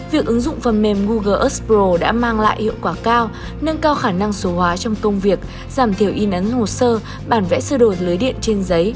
việc ứng dụng phần mềm google expro đã mang lại hiệu quả cao nâng cao khả năng số hóa trong công việc giảm thiểu in ấn hồ sơ bản vẽ sơ đồ lưới điện trên giấy